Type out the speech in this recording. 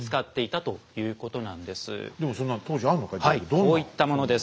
こういったものです。